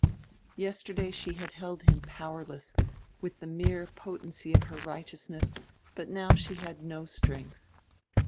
Yesterday she had held him powerless with the mere potency of her righteousness; but now she had no strength.